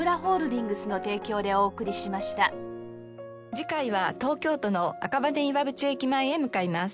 次回は東京都の赤羽岩淵駅前へ向かいます。